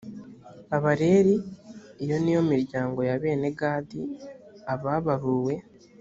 abareli iyo ni yo miryango ya bene gadi ababaruwe